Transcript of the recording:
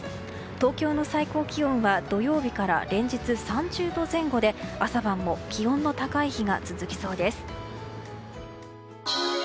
東京の最高気温は土曜日から連日３０度前後で朝晩も気温の高い日が続きそうです。